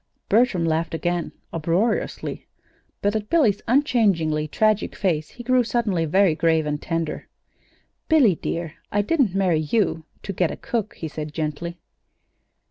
Bertram laughed again, uproariously; but, at Billy's unchangingly tragic face, he grew suddenly very grave and tender. "Billy, dear, I didn't marry you to to get a cook," he said gently.